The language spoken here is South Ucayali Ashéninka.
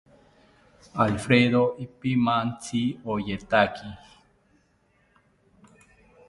Alfredo ipimantzi oteyaki